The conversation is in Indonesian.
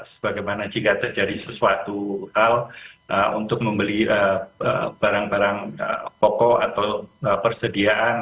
sebagaimana jika terjadi sesuatu hal untuk membeli barang barang pokok atau persediaan